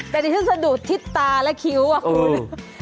แต่อันนี้ฉันจะดูดทิศตาและคิ้วอ่ะคุณ